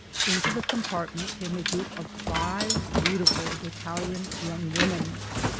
Into the compartment came a group of five beautiful Italian young women.